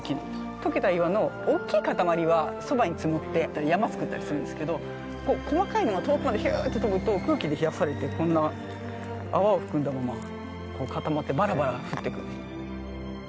溶けた岩の大きい塊はそばに積もって山をつくったりするんですけど細かいのが遠くまで、ひゅーって飛ぶと空気で冷やされてこんな泡を含んだまま固まってばらばら降ってくるんです。